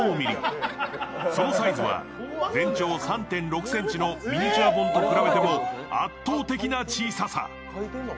そのサイズは全長３．６ｃｍのミニチュア本と比べても圧倒的な小ささ。